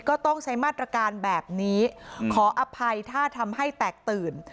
ก็ต้องใช้มาตรการแบบนี้ขออภัยถ้าทำให้แตกตื่น